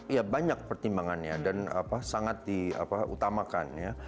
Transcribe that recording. ya banyak pertimbangannya dan sangat diutamakan ya